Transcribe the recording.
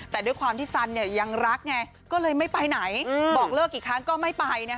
แต่ด้วยความที่สันยังรักไงก็เลยไม่ไปไหนบอกเลิกกี่ครั้งก็ไม่ไป